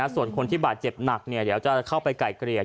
ส่วนคนที่บาดเจ็บหนักเดี๋ยวจะเข้าไปไก่เกลี่ย